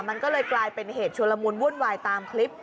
มันก็เลยกลายเป็นเหตุชุลมุนวุ่นวายตามคลิป